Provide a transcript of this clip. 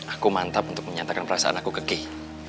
aku mantap untuk menyatakan perasaan aku ke key